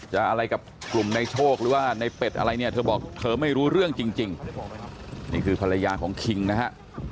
อะไรกับกลุ่มในโชคหรือว่าในเป็ดอะไรเนี่ยเธอบอกเธอไม่รู้เรื่องจริงนี่คือภรรยาของคิงนะฮะ